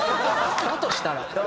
だとしたら。